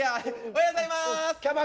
おはようございます。